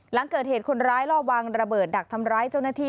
หลังเกิดเหตุคนร้ายลอบวางระเบิดดักทำร้ายเจ้าหน้าที่